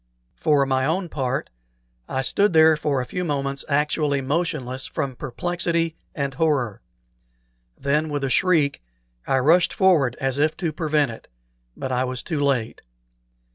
For my own part, I stood for a few moments actually motionless from perplexity and horror; then, with a shriek, I rushed forward as if to prevent it; but I was too late.